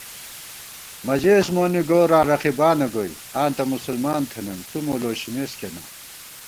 مہ ژېس مونی گوراں رقیبانہ گوئی * آں تہ مسلمان تھنَئیم تُو مو لوشِمېس کېنا